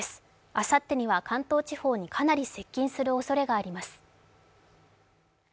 あさってには関東地方にかなり接近するおそれがあります。